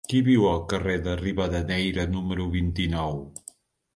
Qui viu al carrer de Rivadeneyra número vint-i-nou?